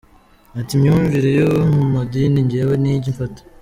Ati “imyumvire yo mu madini njyewe ntijya imfata.